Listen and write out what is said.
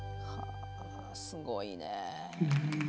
すごいね。